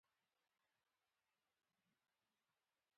هم د خپل عاشق لپاره د صنم يا قاتل استعاره کاروي.